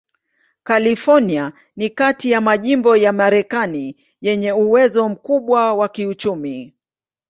California ni kati ya majimbo ya Marekani yenye uwezo mkubwa wa kiuchumi.